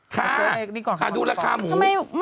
ค่ะดูราคาหมู